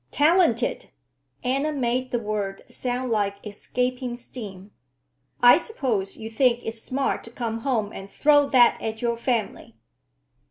"Talented!" Anna made the word sound like escaping steam. "I suppose you think it's smart to come home and throw that at your family!"